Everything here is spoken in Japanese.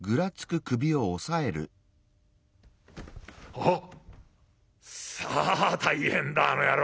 「あっさあ大変だあの野郎！